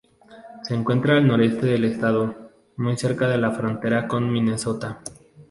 Se encuentra al noreste del estado, muy cerca de la frontera con Minnesota.